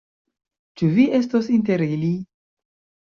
Ĉu vi estos inter ili?